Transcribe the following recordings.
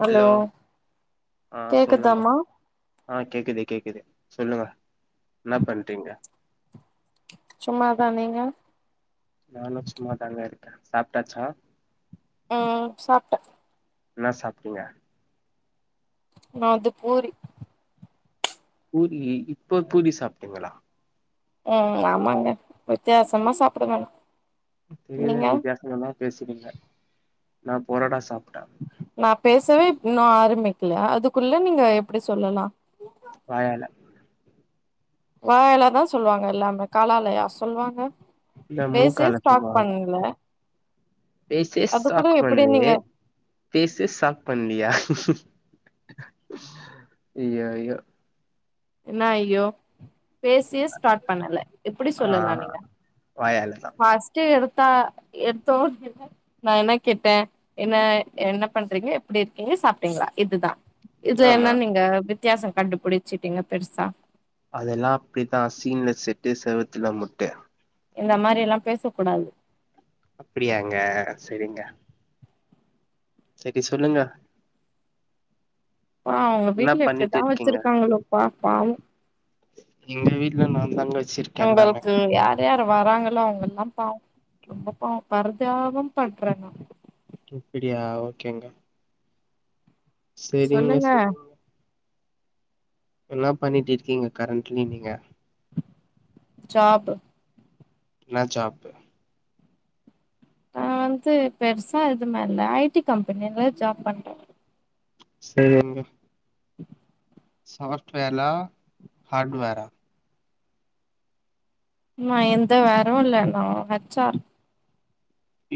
hello ஆ சொல்லுங்க கேக்குதாமா ஆ கேக்குது கேக்குது சொல்லுங்க என்ன பண்றீங்க சும்மாதா நீங்க நானு சும்மாதாங்க இருக்கே சாப்ட்டாச்சா ம் சாப்ட்ட என்ன சாப்ட்டீங்க நா வந்து பூரி பூரி இப்போ பூரி சாப்ட்டீங்களா ம் ஆமாங்க வித்தியாசமா சாப்டுவே நா தெரியாத வித்தியாசமெல்லா பேசுறீங்க நா பொரோடா சாப்ட்டே நா பேசவே இன்னு ஆரம்பிக்கல அதுக்குள்ள நீங்க எப்டி சொல்லலா வாயால வாயால தா சொல்வாங்க எல்லாமே காலாலயா சொல்வாங்க இல்ல பேச மூக்கால ஸ்டாட் சொல்லுவாங்க பண்ல பேசே ஸ்டாக் பண்ணி நீங்க பேசே சாட் பண்லியா ஐயோ ஐயோ என்ன ஐயோ பேசயே ஸ்டார்ட் பண்ணல எப்டி சொல்லலா நீங்க வாயால தா ஃபர்ஸ்ட் எடுத்தா எடுத்தோ [inaudible] நா என்ன கேட்டே என்ன என்ன பண்றீங்க எப்டி இருக்கீங்க சாப்ட்டீங்ளா இதுதா இதுல ஆமா என்ன நீங்க வித்தியாசோ கண்டுபிடிச்சிட்டீங்க பெருசா அதெல்லா அப்டிதா சீன்ல செட்டு செவத்துல முட்டு இந்த மாரில்லா பேசக்கூடாது அப்படியாங்க செரிங்க செரி சொல்லுங்க பா உங்க என்ன வீட்டுல எப்டிதா பண்ணிட்டு இருக்கீங்க வச்சிருக்காங்களோப்பா பவோ எங்க வீட்ல நா தாங்க வச்சிருக்கே எல்லாமே உங்கள்கு யார் யார் வராங்களோ அவங்கல்லாம் பாவ்ம் ரொம்ப பாவ்ம் பரதாபம் பண்றே நா அப்படியா ஓகேங்க செரிங்க சொல்லுங்க செரி எல்லா பண்ணிட் இருக்கீங்க கரண்ட்லி நீங்க ஜாபு என்னா ஜாப்பு நா வந்து பெருசா இதுமார் இல்ல ஐ டி கம்பெனியில ஜாப் பண்றே சரிங்க சாஃப்ட்வேர்லா ஹார்ட்வேரா நா எந்த வேரு இல்ல நா ஹெச் ஆர்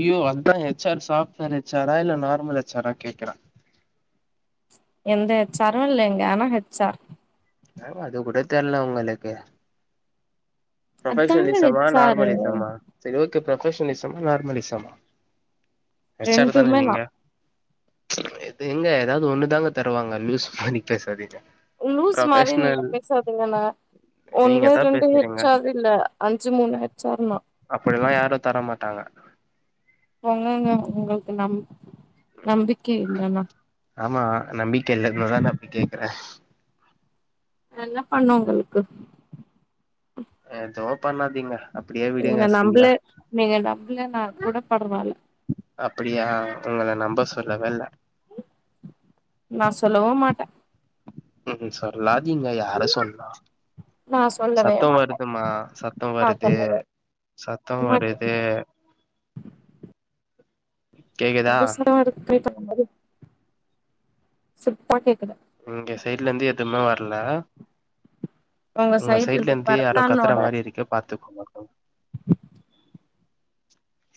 ஐயோ அதா எச் ஆர் சாப்ட்வேர் எச் ஆரா இல்ல நார்மல் எச் ஆரா கேக்குறே எந்த ஹெச் ஆரு இல்லைங்க ஆனா ஹெச் ஆர் [unintelligible] அது கூட தெர்ல உங்களுக்கு அதாங்க பிரொபெஷநிசமா ஹெச் ஆரு நார்மல் இசம்மா சு செரி ஓகே ப்ரொபஷன்னிசமா நார்மனிசமா ஹெச் ஆர் தான ரெண்டுமே நா நீங்க இது எங்க எதாவது ஒண்ணுதாங்க தருவாங்க லூஸ் மா நீ பேசாதீங்க உ லூஸ் மாரி நீங்க ப்ரொபஷ்னல் பேசாதீங்கன்னா நீங்க ஒண்ணு தா ரெண்டு பேசுறீங்க ஹெச் ஆரூ இல்ல அஞ்சு மூணு ஹெச் ஆர்னா அப்படிலா யாரு தரமாட்டாங்க போங்க எங்க உங்களுக்கு நம் நம்பிக்கை இல்லன்னா ஆமா நம்பிக்க இல்ல [inaudible] தான அப்டி கேக்கற நா என்ன பண்ணு உங்களுக்கு ஏதோ பண்ணாதிங்க நீங்க நம்லே நீங்க நம்லேனா கூட பரவால்ல அப்படியா உங்கள நம்ப சொல்லவே இல்ல நா சொல்லவு மாட்ட ம் சொல்லாதீங்க யார சொன்னா நா சொல்லவே சத்தோ மாட்டே வருதுமா சத்தோ நா வருது சொல்லவே சத்தோ மாட்டே வருது கேக்குதா [inaudible] கேக்குது இங்க சைட்ல இருந்து எதுமே வர்ல உங்க சைட்ல இருந்து யாரோ கத்தற மாரி இருக்கு பாத்துக்கோங்க [inaudible]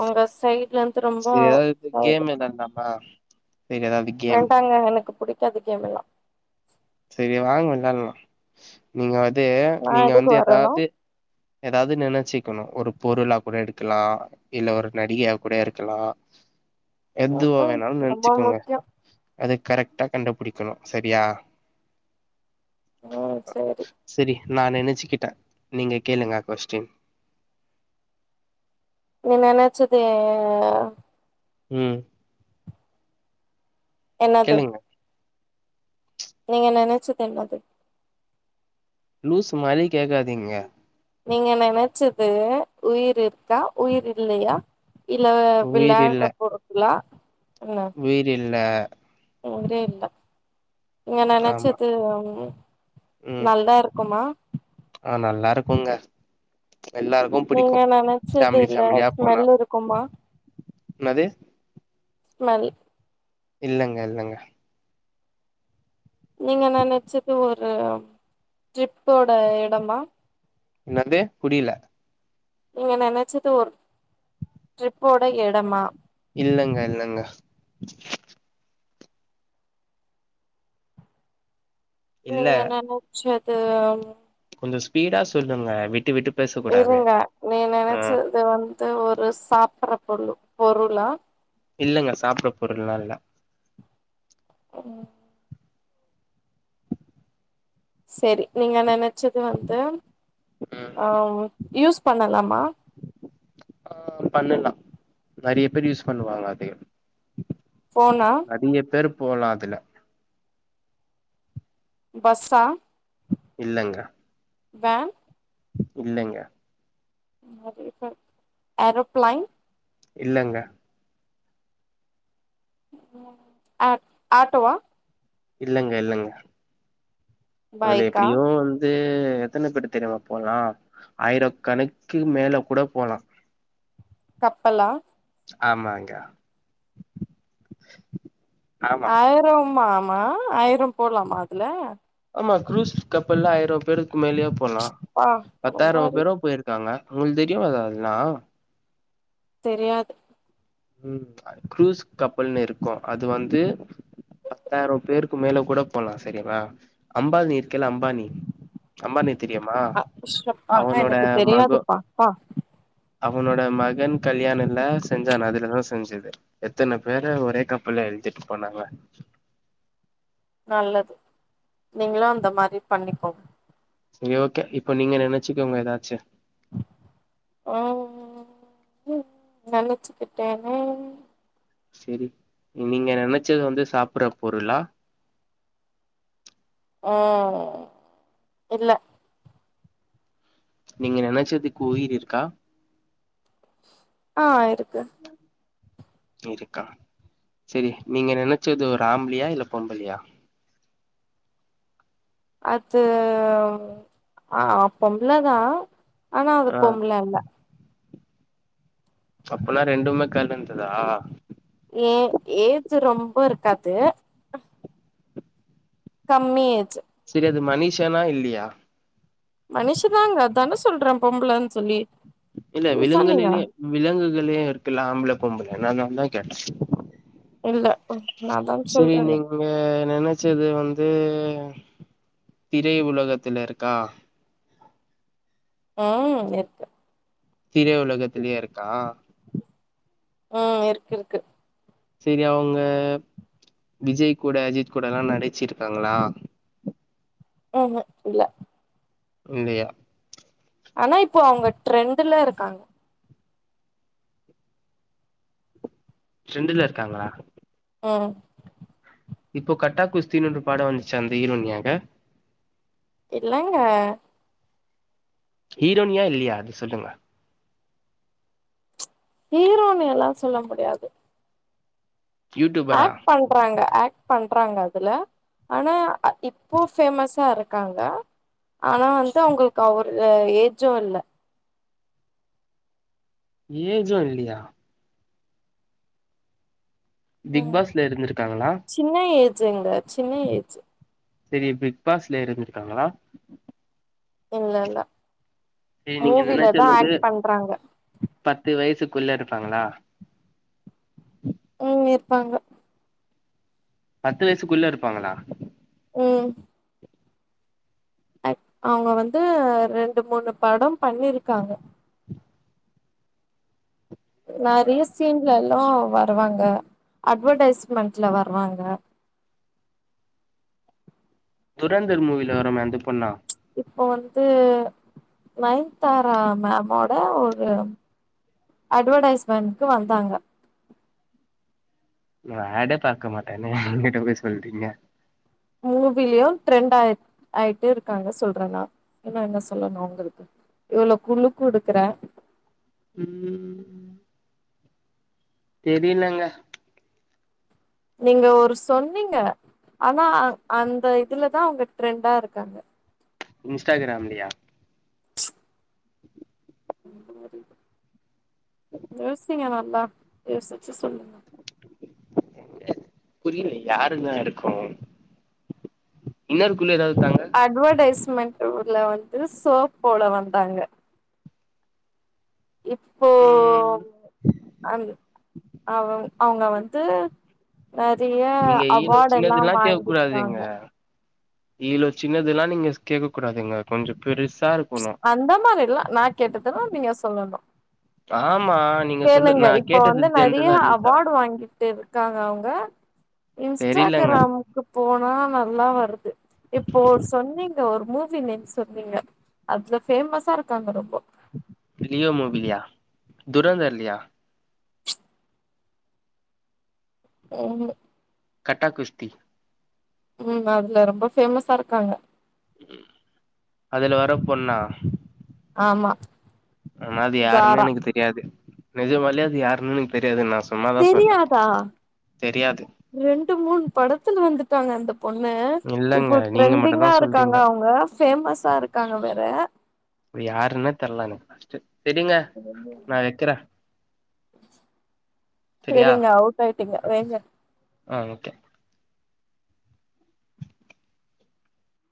உங்க சைட்ல இருந்து செரி எதாவது ரொம்ப கேம் [inaudible] வேண்டாங்க எனக்கு புடிக்காது கேம் எல்லா செரி வாங்க விளால்லா நீங்க அது நா நீங்க எதுக்கு வந்து வரணு எதாவ்து எதாவ்து நெனச்சீக்கணு ஒரு பொருளா கூட எடுக்கலா இல்ல ஒரு நடிகையா கூட இருக்கலா ம் எதுவா ம் வேணாலு ரொம்ப நெனச்சுக்குங்க முக்கியோ அது கரெக்டா கண்டுபிடிக்கணு செரியா ம் சேரி செரி நா நெனச்சிக்கிட்ட நீங்க கேளுங்க கொஸ்டின் நீ நெனச்சது ம் என்னாது கேளுங்க நீங்க நெனச்சது என்னாது லூஸு மாரி கேக்காதீங்க நீங்க நெனச்சது உயிர் இருக்கா உயிர் இல்லயா இல்ல உயிர் விளாற இல்ல பொருளா என்ன உயிர் இல்ல உயிரே இல்ல நீங்க ஆமா நெனைச்சது ஒன்னு ம் நல்லா இருக்குமா ஆ நல்லா இருக்குங்க எல்லா வு பிடிக்கு நீங்க ஃபேமிலி நெனச்சதுல ஃபேமிலியா போனா ஸ்மெல் இருக்குமா என்னாது [unintelligible] இல்லங்க இல்லங்க நீங்க நெனச்சது ஒரு ட்ரிப்போட எடமா என்னாது புரில நீங்க நெனச்சது ஒரு ட்ரிப்போட எடமா இல்லங்க இல்லங்க இல்ல ஓங்க அண்ணா அண்ணவு ச்சது கொஞ்ச ஸ்பீடா சொல்லுங்க விட்டு விட்டு பேச கூடாது இருங்க நீங்க ஆ நனைச்சது வந்து ஒரு சாப்பற பொருளு பொருளா இல்லங்க சாப்பற பொருள்ல்லாம் இல்ல ம் செரி நீங்க நனச்சது வந்து ம் யூஸ் அ பண்ணலாமா அ பண்ணலாம் நறைய பேர் யூஸ் பண்ணுவாங்க அதையும் ஃபோனா அதிக பேர் போலா அதுல பஸ்சா இல்லங்க வேன் இல்லங்க நறைய பேர் ஏரோப்லைன் இல்லங்க அ அட்டோவா இல்லங்க இல்லங்க அதுல பைக்கா எப்படியும் வந் து எத்தன பேர் தெரிமா போலா ஆயிரம் கணக்கு மேல கொட போலாம் கப்பலா ஆமாங்க ஆமா ஆயிரம்மாமா ஆயிரம் போலாமா அதுல ஆமா க்ரூஸ் கப்பல்லா ஆயிரம் பேருக்கு மேலயே போலாம் பா ரொம்ப பத்தாயிரம் அறிவு பேரும் போயிருக் காங்க உங்களுக்கு தெரியாதா அதெல்லா தெரியாது ம் க்ரூஸ் கப்பல்ன்னு இருக்கும் அது வந்து பத்தாயிரம் பேருக்கு மேல கொட போலா சரியரா அம்பானி இருக்குல்ல அம்பானி அம்மபானி தெரியுமா அ ஷப்பா அவனோட எனக்கு மகொ தெரியாதுப்பா பா அவனோட மகன் கல்யாணல்ல செஞ்சான் அது இதா செஞ்சது எத்தன பேர ஒரே கப்பல்ல ஏத்திட்டு போனாங்க நல்லது நீங்களும் அந்த மாரி பண்ணிக்கோங்க சரி ஓகே இப்ப நீங்க நனைச்சுக்கோங்க ஏதாச்சு ம் ம் நனைச்சுக்கிட்டேன்னே செரி நீங்க நனைச்சது வந்து சாப்பற பொருளா ஆ இல்ல நீங்க நெனைச்சதுக்கு உயிர் இருக்கா ஆ இருக்கு இருக்கா செரி நீங்க நெனைச்சது ஒரு ஆம்பளயா இல்ல பொம்பலயா அது பொம்ள அ தா ஆனா அது ஆ பொம்ள இல்ல அப்பனா ரெண்டுமே கல்லந்ததா ஏ ஏஜ் ரொம்ப இருக்காது கம்மியேஜ் செரி அது மனிஷனா இல்லியா மனுஷன்தாங்க அதான சொல்ற பொம்ளன் சொல்லி இல்ல லூசா நீங்க விலங்குலிலே விலங்குகளே இருக்குல்ல ஆம்பள பொம்பளன்னு அதனால தா கேட்ட இல்ல நான்தான சரி சொல்றேனே நீங்க வே நினைச்சது வந்து திரை உலகத்துல இருக்கா ஆ இருக் திரை உலகத்திலே இருக்கா ஆ இருக்கு இருக்கு செரி அவங்க விஜய் கூட அஜித் கூடல்லா நடிச்சிருக்காங்களா ஆஹா இல்ல இல்லயா ஆனா இப்ப அவங்க ட்ரெண்டு்ல இருக்காங்க ட்ரெண்டுல இருக்காங்களா ஆ இப்போ கட்டா குஸ்தின்னு ஒரு படோ வந்துச்சா அந்த ஹீரோயினாங்க இல்லங்க ஹீரோனியா இல்லையா அது சொல்லுங்க ஹீரோனி எல்லா சொல்ல முடியாது யூடியூபரா அக்ட் பண்றாங்க அக்ட் பண்றாங்க அதுல ஆனா அ இப்போ ஃபேமஸா இருக்காங்க ஆனா வந்து அவங்கக்கு அவரு ஏஜு இல்ல ஏஜோ இல்லயா பிக் ம் பாஸ்ல இருந்திருக்காங்களா சின்ன ஏஜ்ங்க சின்ன ஏஜ் செரி பிக்பாஸ்ல இருந்திருக்காங்களா இல்ல இல்ல செரி நீங்க மூவில தா நெனச்சது அக்ட் பண்றாங்க பத்து வயசுக்குள்ள இருப்பாங்களா ம் இருப்பாங்க பத்து வயசுக்குள்ள இருப்பாங்களா ம் அக் அவங்க வந்து ரெண்டு மூணு படம் பண்ணிருக்காங்க நறைய சீன்லல்லா வருவாங்க அட்வடைஸ்மெண்ட்ல வருவாங்க துரேந்தர் மூவில வருமே அந்த பொண்ணா இப்ப வந்து நயன்தாரா மம்மோட ஒரு அட்வடைஸ்மெண்ட்கு வந்தாங்க நா அட்டே பாக்க மாட்டனே எங்கிட்ட போய் சொல்றீங்க மூவிலியு ட்ரெண்ட் ஆ ஆயிட்டே இருக்காங்க சொல்ற நா இன்னு என்ன சொல்லணு உங்களுக்கு இவ்ளோ குழு குடுக்குற ம் தெரிலங்க நீங்க ஒரு சொன்னீங்க ஆனா அந்த இதுல தா அவங்க ட்ரெண்டா இருக்காங்க இன்ஸ்டாக்ரம்லயா யோசிங்க நல்லா யோசிச்சி சொல்லுங்க புரில யாருங்க இருக்கு இன்னொரு குளு எதாவது தாங்க அட்வடைஸ்மெண்ட ஊர்ல வந்து சோப் போட வந்தாங்க இப்போ ம் அந் அவுங் அவுங்க வந்து நெறைய நீங்க ஈழோ அவார்டெல்லா சின்னதுல்லா வாங்கிருக்காங்க இவ்ளோ சின்னதுல்லா நீங்க கேட்க கூடாதுங்க கொஞ்ச பெருசா இருக் அந்த மாரில்லா நா கேட்டதுன்னா நீங்க சொல்லணு ஆமா நீங்க சொல்ற கேளுங்க நா இப்போ கேட்டது வந்து நெறைய ஜென்ரலா இருந்துச்சா அவாடு வாங்கி இருக்காங்க அவுங்க தெரியலங்க இன்ஸ்டாகிராமுக்கு போனா நல்லா வருது இப்போ சொன்னீங்க மூவி நெக்ஸ் சொன்னீங்க அவ்ளோ ஃபேமஸா இருக்காங்க ரொம்ப லியோ மொபிலியா துரேந்தர் இல்லியா வேற ஒன்னு இல்ல கட்டா குஷ்தி ம் அதுல ரொம்ப ஃபேமஸா இருக்காங்க அதுல வரப் பொண்ணா ஆமா ஆனா அது யாருன்னே ஜாரா எனக்கு தெரியாது நிஜமாலயே அது யாருன்னு எனக்கு தெரியாது நா சும்மாதா சொன்ன தெரியாதா தெரியாது ரெண்டு மூணு படத்துல வந்துட்டாங்க அந்தப் பொண்ணு இல்லங்க இப்போ நீங்க மட்டுந்தா ட்ரெண்டிங்கா இருக்காங்க சொல்றீங்க அவுங்க ஃபேமஸா இருக்காங்க வேற இப்ழ யாருன்னே தெர்ல எனக்கு பஸ்ட் செரிங்க நா வெக்கற செரியா செரிங்க அவுட் ஆயிட்டீங்க வெயிங்க ஆ வெக்க